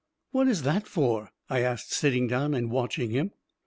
"What is that for?" I asked, sitting down and watching him.